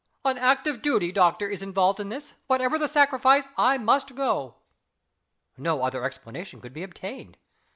"An act of duty, doctor, is involved in this whatever the sacrifice, I must go!" No other explanation could be obtained.